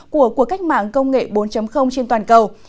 của cuộc cách mạng công nghệ bốn trên toàn cầu